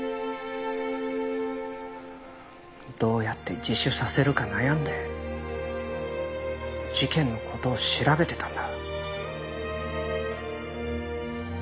どうやって自首させるか悩んで事件の事を調べてたんだ。